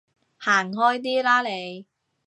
行開啲啦你